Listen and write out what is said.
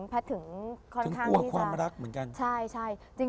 แพทย์ถึงค่อนข้างความรักเหมือนกัน